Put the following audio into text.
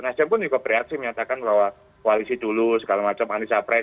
nasdem pun juga bereaksi menyatakan bahwa koalisi dulu segala macam anies capres